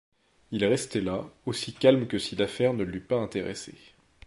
Il restait là, aussi calme que si l’affaire ne l’eût pas intéressé.